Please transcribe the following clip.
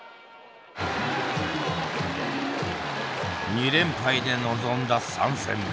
２連敗で臨んだ３戦目。